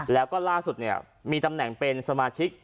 แล้วก็ล่าสุดมีตำแหน่งเป็นสมาชิก